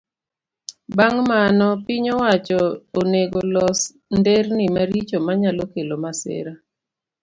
Bang' mano, piny owacho onego los nderni maricho manyalo kelo masira.